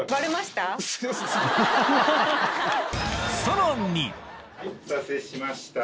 さらにお待たせしました。